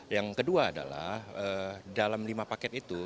yang kedua adalah dalam lima paket itu